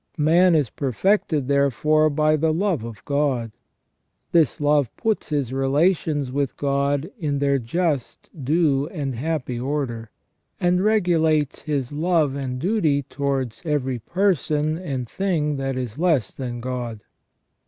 Man is perfected therefore by the love of God : this love puts his relations with God in their just, due, and happy order, and regulates his love and duty towards every person and thing that is less than God.